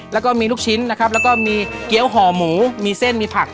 แล้วก็มีลูกชิ้นนะครับแล้วก็มีเกี้ยวห่อหมูมีเส้นมีผัก